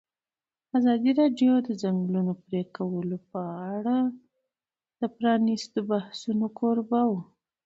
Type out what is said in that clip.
ازادي راډیو د د ځنګلونو پرېکول په اړه د پرانیستو بحثونو کوربه وه.